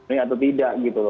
ini atau tidak gitu